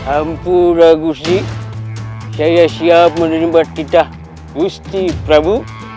ampura gusi saya siap menerima titah gusti prabu